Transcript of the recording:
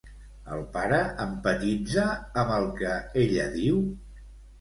El pare empatitza amb el que ella diu?